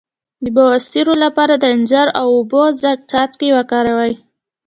د بواسیر لپاره د انځر او اوبو څاڅکي وکاروئ